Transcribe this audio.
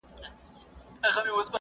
ښايي مرګ نن راشي.